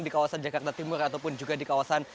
di kawasan jakarta timur ataupun juga di kawasan